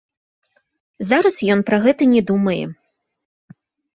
Зараз ён пра гэта не думае.